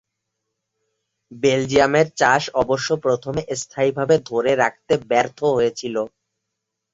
বেলজিয়ামের চাষ অবশ্য প্রথমে স্থায়ীভাবে ধরে রাখতে ব্যর্থ হয়েছিল।